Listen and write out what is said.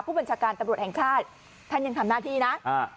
ผู้บัญชาการตำรวจแห่งชาติท่านยังทำหน้าที่นะอ่า